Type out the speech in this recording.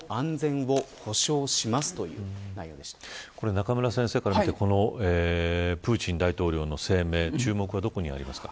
中村先生から見てプーチン大統領の声明注目はどこにありますか。